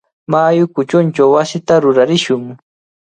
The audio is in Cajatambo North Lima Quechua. Mayu kuchunchaw wasita rurarishun.